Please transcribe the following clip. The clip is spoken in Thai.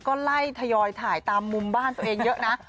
ก็ไล่ทยอยถ่ายตามมุมบ้านตัวเองเยอะนะ